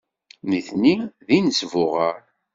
Nitni d inesbuɣar.